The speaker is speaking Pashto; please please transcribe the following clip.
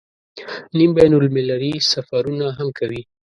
نیم بین المللي سفرونه هم کوي.